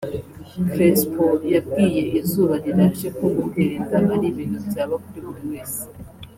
Crespo yabwiye Izuba Rirashe ko gutera inda ari ibintu byaba kuri buri wese